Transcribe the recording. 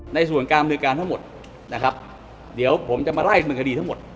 ในส่วนการอำนวยการทั้งหมดนะครับเดี๋ยวผมจะมาไล่มือคดีทั้งหมด